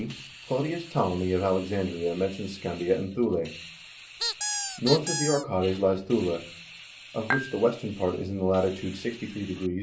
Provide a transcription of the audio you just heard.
d. Claudius Ptolemy of Alexandria men tions Scandia and Thule. " North of the Orcades lies Thule, of which the western part is in the latitude 63°, o.